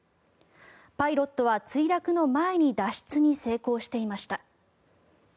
パイロットは墜落の前に脱出に成功していました。